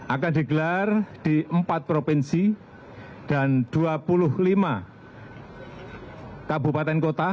akan digelar di empat provinsi dan dua puluh lima kabupaten kota